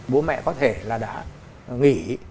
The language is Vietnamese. vũ mẹ có thể là đã nghỉ